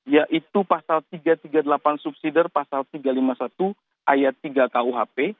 yaitu pasal tiga ratus tiga puluh delapan subsidi pasal tiga ratus lima puluh satu ayat tiga kuhp